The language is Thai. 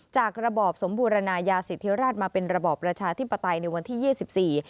ระบอบสมบูรณายาสิทธิราชมาเป็นระบอบประชาธิปไตยในวันที่ยี่สิบสี่